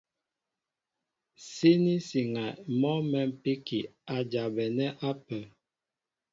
Síní siŋɛ mɔ́ mɛ̌mpíki a jabɛnɛ́ ápə́.